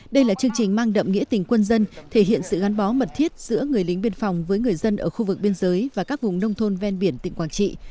đây là chương trình mang đậm nghĩa tình quân dân thể hiện sự gắn bó mật thiết giữa người lính biên phòng với người dân ở khu vực biên giới và các vùng nông thôn ven biển tỉnh quảng trị